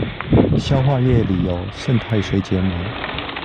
消化液裏有胜肽水解酶